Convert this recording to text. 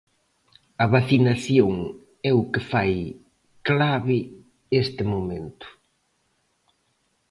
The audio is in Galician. A vacinación é o que fai clave este momento.